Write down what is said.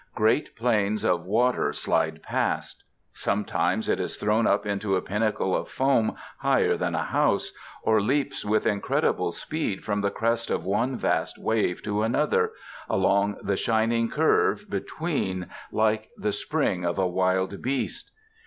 Great planes of water slide past. Sometimes it is thrown up into a pinnacle of foam higher than a house, or leaps with incredible speed from the crest of one vast wave to another, along the shining curve between, like the spring of a wild beast.